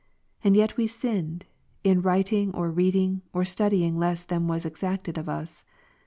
Andyet we sinned, in writing or reading or studying less than was exacted of us.